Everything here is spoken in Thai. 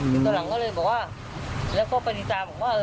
ตอนหลังก็เลยบอกว่าแล้วก็ปริณาบอกว่า